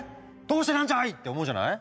どうしてなんじゃい！って思うじゃない。